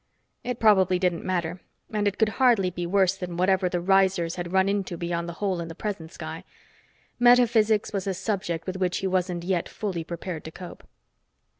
It probably didn't matter, and it could hardly be worse than whatever the risers had run into beyond the hole in the present sky. Metaphysics was a subject with which he wasn't yet fully prepared to cope.